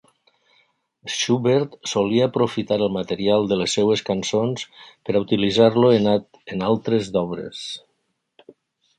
Schubert solia aprofitar el material de les seves cançons per utilitzar-lo en altres d'obres.